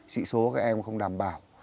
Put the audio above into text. sĩ số các em cũng không đảm bảo